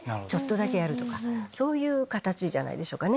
そういう形じゃないでしょうかね